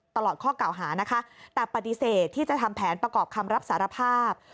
ตลอดข้อเก่าหานะคะแต่ปฏิเสธที่จะทำแผนประกอบคำรับสารภาพ